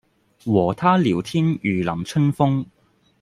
和他聊天如淋春風